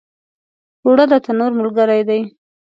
اوړه د تنور ملګری دي